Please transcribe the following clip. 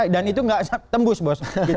dan itu nggak tembus bos